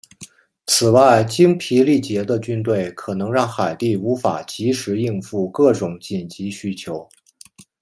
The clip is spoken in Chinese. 此外精疲力竭的军队可能让海地无法即时应付各种紧急需求。